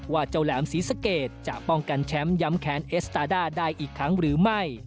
เจ้าแหลมศรีสะเกดจะป้องกันแชมป์ย้ำแค้นเอสตาด้าได้อีกครั้งหรือไม่